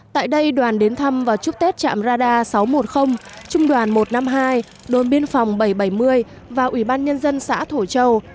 tại đây đoàn đến thăm và chúc tết trạm radar sáu trăm một mươi trung đoàn một trăm năm mươi hai đồn biên phòng bảy trăm bảy mươi và ủy ban nhân dân xã thổ châu